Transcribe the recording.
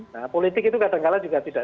nah politik itu kadang kadang juga tidak